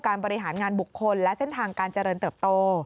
บริหารงานบุคคลและเส้นทางการเจริญเติบโต